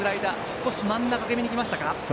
少し真ん中気味に来ましたか。